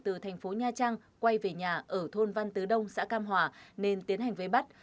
từ thành phố nha trang quay về nhà ở thôn văn tứ đông xã cam hòa nên tiến hành vây bắt